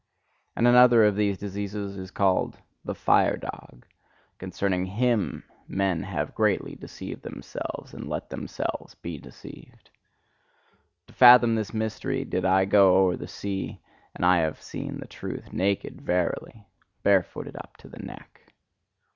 And another of these diseases is called "the fire dog": concerning HIM men have greatly deceived themselves, and let themselves be deceived. To fathom this mystery did I go o'er the sea; and I have seen the truth naked, verily! barefooted up to the neck.